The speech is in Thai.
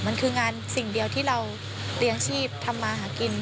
มันคืองานสิ่งเดียวที่เราเลี้ยงชีพทำมาหากิน